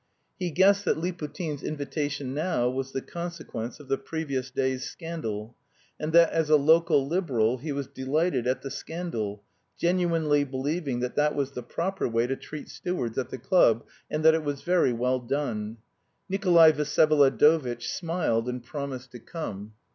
He guessed that Liputin's invitation now was the consequence of the previous day's scandal, and that as a local liberal he was delighted at the scandal, genuinely believing that that was the proper way to treat stewards at the club, and that it was very well done. Nikolay Vsyevolodovitch smiled and promised to come.